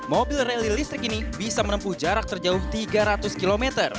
mobil rally listrik ini bisa menempuh jarak terjauh tiga ratus km